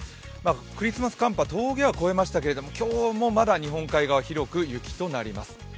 クリスマス寒波、峠は越えましたけれども今日もまだ日本海側広く雪となります。